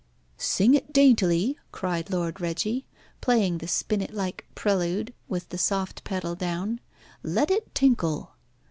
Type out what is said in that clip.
"Sing it daintily!" cried Lord Reggie, playing the spinet like prelude with the soft pedal down. "Let it tinkle."